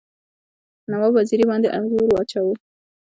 نواب وزیر باندي زور واچوي.